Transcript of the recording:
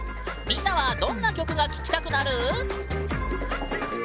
みんなはどんな曲が聴きたくなる？